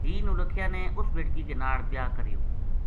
بھی نولکھیا نے اُس بیٹکی کے ناڑ بیاہ کریو